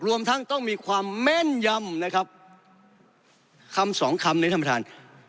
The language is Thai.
รวมทั้งต้องมีความแม่นยำนะครับคำสองคำในธรรมฐาน